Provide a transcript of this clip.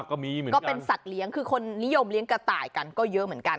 ก็มีเหมือนกันก็เป็นสัตว์เลี้ยงคือคนนิยมเลี้ยงกระต่ายกันก็เยอะเหมือนกัน